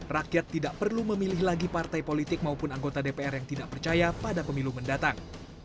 rakyat tidak perlu memilih lagi partai politik maupun anggota dpr yang tidak percaya pada pemilu mendatang